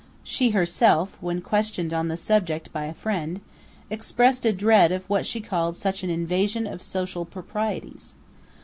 She herself, when questioned on the subject by a friend, expressed a dread of what she called such an 'invasion of social proprieties.'